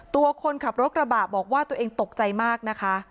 ตัวคนขับรถกระบะบอกว่าตัวเองตกใจมากนะคะ